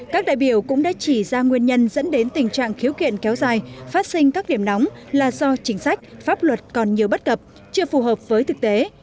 các đại biểu cũng đã chỉ ra nguyên nhân dẫn đến tình trạng khiếu kiện kéo dài phát sinh các điểm nóng là do chính sách pháp luật còn nhiều bất cập chưa phù hợp với thực tế